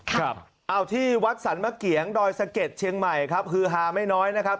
ครับเอาที่วัดสรรมะเกียงดอยสะเก็ดเชียงใหม่ครับฮือฮาไม่น้อยนะครับ